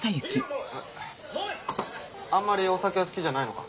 あんまりお酒は好きじゃないのか？